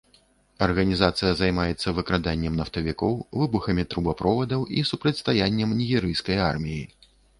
Арганізацыя займаецца выкраданнем нафтавікоў, выбухамі трубаправодаў і супрацьстаяннем нігерыйскай арміі.